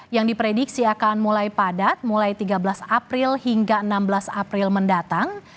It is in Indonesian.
yang diprediksi akan mulai padat mulai tiga belas april hingga enam belas april mendatang